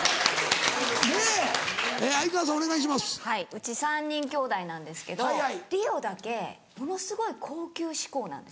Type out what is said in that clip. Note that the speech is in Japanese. うち３人きょうだいなんですけどＲＩＯだけものすごい高級志向なんです。